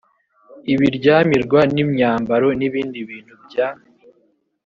ibiryamirwa imyambaro n ibindi bintu bya